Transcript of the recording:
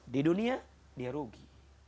di dunia dia rugi